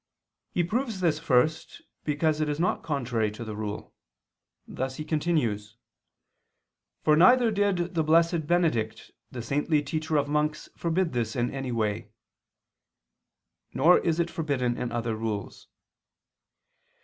He proves this first because it is not contrary to the rule; thus he continues: "For neither did the Blessed Benedict the saintly teacher of monks forbid this in any way," nor is it forbidden in other rules.